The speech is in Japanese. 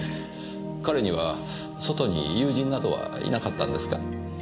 彼には外に友人などはいなかったんですか？